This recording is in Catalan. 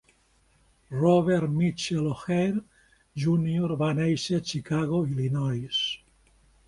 Robert Michael O'Hare, Junior, va néixer a Chicago, Illinois.